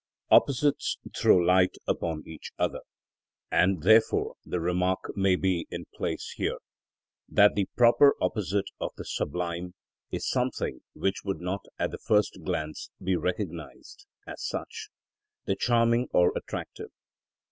Opposites throw light upon each other, and therefore the remark may be in place here, that the proper opposite of the sublime is something which would not at the first glance be recognised, as such: the charming or attractive.